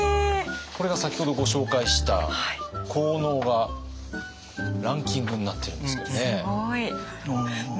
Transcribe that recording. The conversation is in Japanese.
これが先ほどご紹介した効能がランキングになってるんですけどね。